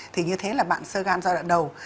thì như thế là bạn sơ gan giai đoạn đầu